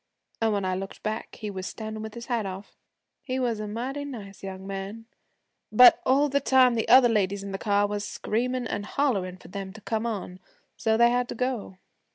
An' when I looked back he was standin' with his hat off. He was a mighty nice young man. But all the time the other ladies in the car was screamin' an' hollerin' for them to come on, so they had to go.'